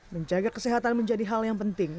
menjaga kesehatan menjadi hal yang penting